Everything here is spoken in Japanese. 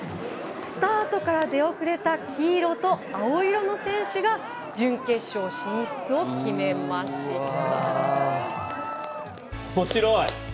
スタートから出遅れた黄色と青色の選手が準決勝進出を決めました。